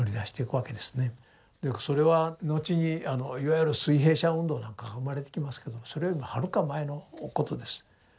それは後にいわゆる水平社運動なんかが生まれてきますけどもそれよりもはるか前のことです。